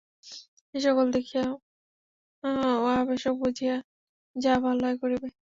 এসকল দেখিয়া ও আবশ্যক বুঝিয়া যাহা ভাল হয় করিবে।